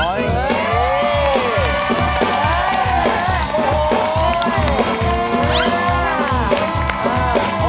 โอ้โห